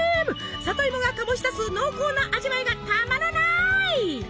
里芋が醸し出す濃厚な味わいがたまらない！